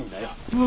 うわ！